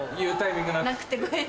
なくてごめん。